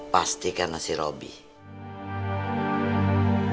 pasti karena si robby